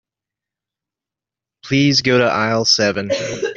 Please go to aisle seven.